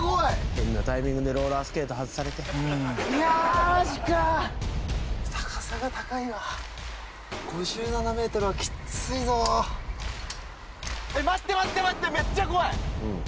変なタイミングでローラースケート外されていやーマジか高さが高いな５７ｍはきついぞ待って待って待ってめっちゃ怖い！